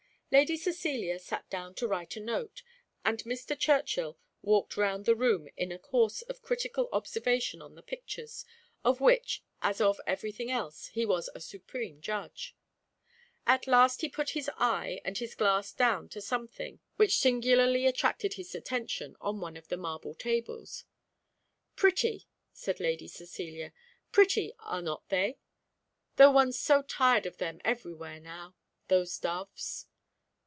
Lady Cecilia sat down to write a note, and Mr. Churchill walked round the room in a course of critical observation on the pictures, of which, as of every thing else, he was a supreme judge. At last he put his eye and his glass down to something which singularly attracted his attention on one of the marble tables. "Pretty!" said Lady Cecilia, "pretty are not they? though one's so tired of them every where now those doves!"